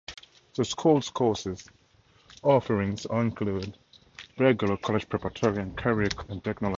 The school's course offerings include regular, college preparatory, and career and technology courses.